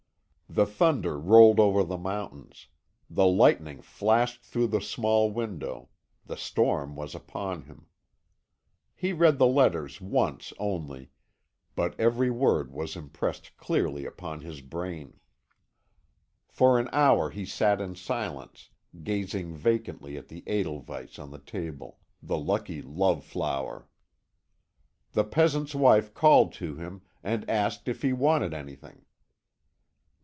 The thunder rolled over the mountains; the lightning flashed through the small window; the storm was upon him. He read the letters once only, but every word was impressed clearly upon his brain. For an hour he sat in silence, gazing vacantly at the edelweiss on the table, the lucky love flower. The peasant's wife called to him, and asked if he wanted anything.